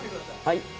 はい。